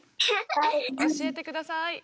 教えてください。